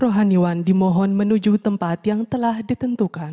rohaniwan dimohon menuju tempat yang telah ditentukan